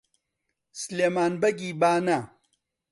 سلێمان بەگی بانە